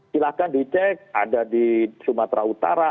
silahkan dicek ada di sumatera utara